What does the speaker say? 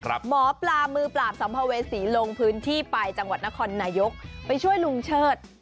หมอปลามือปราบสัมภเวษีลงพื้นที่ไปจังหวัดนครนายกไปช่วยลุงเชิด